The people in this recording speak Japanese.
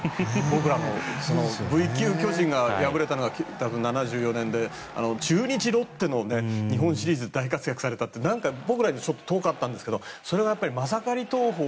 僕らもＶ９巨人が敗れたのが７４年で中日、ロッテの日本シリーズで大活躍されたってなんか僕らにちょっと遠かったんですがそれがマサカリ投法